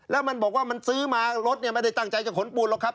แล้วมันบอกว่ามันซื้อมารถเนี่ยไม่ได้ตั้งใจจะขนปูนหรอกครับ